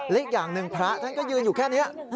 อีกอย่างหนึ่งพระท่านก็ยืนอยู่แค่นี้